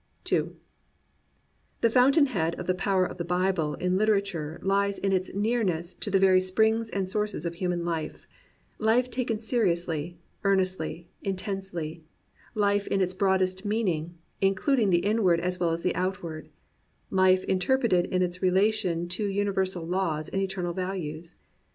II The fountain head of the power of the Bible in literature lies in its nearness to the very springs and sources of human life — life taken seriously, ear nestly, intensely; life in its broadest meaning, in cluding the inward as well as the outward; life in terpreted in its relation to universal laws and eter nal values.